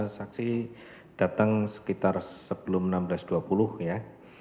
saksi datang sekitar sebelum enam belas dua puluh ya